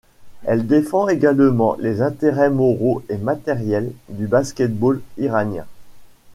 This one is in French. Elle défend également les intérêts moraux et matériels du basket-ball iranien.